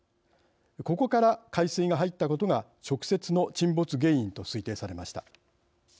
ここから海水が入ったことが直接の沈没原因と推定されました。